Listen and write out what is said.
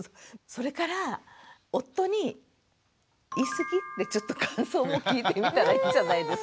それから夫に「言い過ぎ？」ってちょっと感想を聞いてみたらいいんじゃないですか。